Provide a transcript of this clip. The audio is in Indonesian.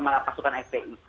sama pasukan fpi